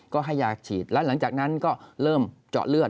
ก็ให้ยาฉีดแล้วหลังจากนั้นก็เริ่มเจาะเลือด